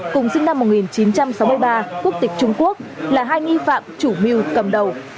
cùng sinh năm một nghìn chín trăm sáu mươi ba quốc tịch trung quốc là hai nghi phạm chủ mưu cầm đầu